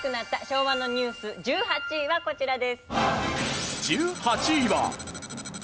昭和のニュース１８位はこちらです。